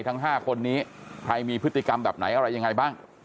ทั้ง๕คนนี้ใครมีพฤติกรรมแบบไหนอะไรยังไงบ้าง